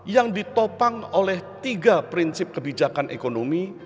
yang ditopang oleh tiga prinsip kebijakan ekonomi